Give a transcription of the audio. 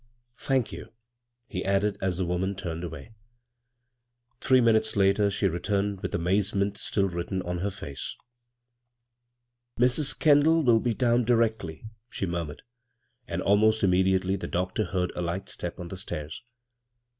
Thank you," he added, as the woman turned away. Three minutes later she returned with amazement still written on her faca 77 b, Google CROSS CURRENTS " Mrs. Kendall will be down directly," she murmured ; and almost immediately the doc tor heard a light step on the stairs.